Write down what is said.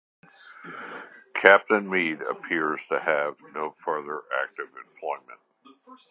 Captain Meade appears to have had no further active employment.